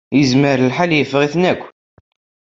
Yezmer lḥal yeffeɣ-iten akk.